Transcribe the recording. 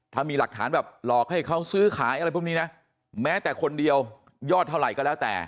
ถ้ามีหลักฐานแบบหลอกให้เขาซื้อขายอะไรพวกนี้นะแม้แต่คนเดียวยอดเท่าไหร่ก็แล้วแต่